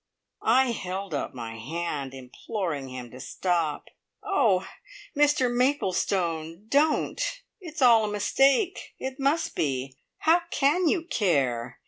I held up my hand, imploring him to stop. "Oh, Mr Maplestone, don't! It's all a mistake. It must be! How can you care?